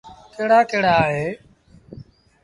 ڪهڙآ ڪهڙ اوهيݩ۔